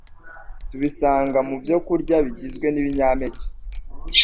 tubisanga mu byokurya bigizwe n’ibinyampeke,